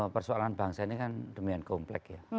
persoalan bangsa ini kan demikian komplek ya